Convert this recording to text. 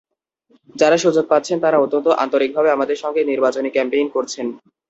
যাঁরা সুযোগ পাচ্ছেন, তাঁরা অত্যন্ত আন্তরিকভাবে আমাদের সঙ্গে নির্বাচনী ক্যাম্পেইন করছেন।